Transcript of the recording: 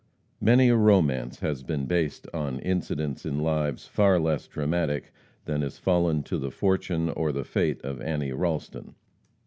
Many a romance has been based on incidents in lives far less dramatic than has fallen to the fortune or the fate of Annie Ralston.